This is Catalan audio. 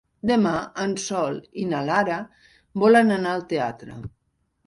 Demà en Sol i na Lara volen anar al teatre.